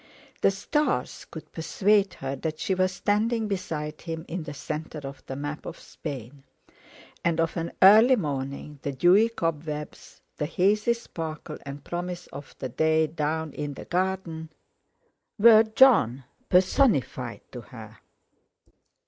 The stars could persuade her that she was standing beside him in the centre of the map of Spain; and of an early morning the dewy cobwebs, the hazy sparkle and promise of the day down in the garden, were Jon personified to her.